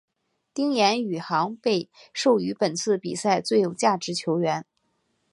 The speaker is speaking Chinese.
丁彦雨航被授予本次比赛最有价值球员。